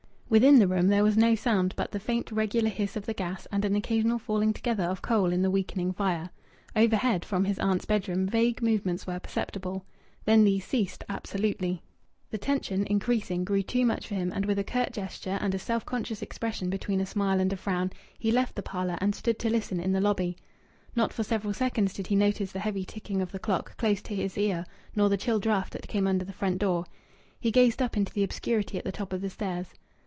Within the room there was no sound but the faint regular hiss of the gas and an occasional falling together of coal in the weakening fire. Overhead, from his aunt's bedroom, vague movements were perceptible. Then these ceased, absolutely. The tension, increasing, grew too much for him, and with a curt gesture, and a self conscious expression between a smile and a frown, he left the parlour and stood to listen in the lobby. Not for several seconds did he notice the heavy ticking of the clock, close to his ear, nor the chill draught that came under the front door. He gazed up into the obscurity at the top of the stairs.